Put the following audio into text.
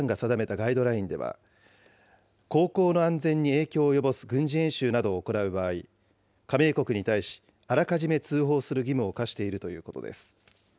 ガイドラインでは、航行の安全に影響を及ぼす軍事演習などを行う場合、加盟国に対し、あらかじめ通報する義務を課しているということです。